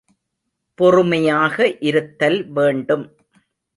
பொறுமையாக இருத்தல் வேண்டும்!